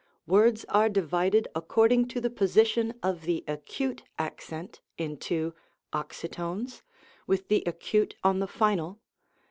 Words are divided according to the position of the acute accent into : Oxytones, with the acute on the final.